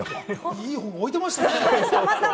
いい本を置いてましたね。